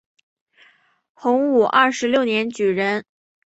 洪武二十六年举人。